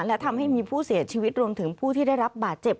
และทำให้มีผู้เสียชีวิตรวมถึงผู้ที่ได้รับบาดเจ็บ